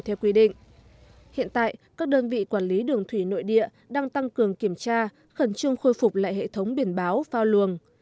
theo quy định hiện tại các đơn vị quản lý đường thủy nội địa đang tăng cường kiểm tra khẩn trương khôi phục lại hệ thống biển báo phao luồng